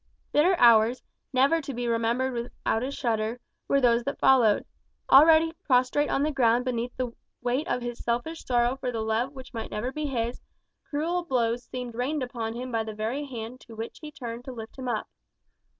Bitter hours, never to be remembered without a shudder, were those that followed. Already prostrate on the ground beneath the weight of his selfish sorrow for the love that might never be his, cruel blows seemed rained upon him by the very hand to which he turned to lift him up.